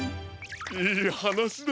いいはなしだ。